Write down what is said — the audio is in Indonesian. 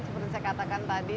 seperti saya katakan tadi